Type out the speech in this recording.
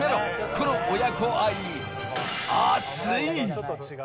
この親子愛、アツい！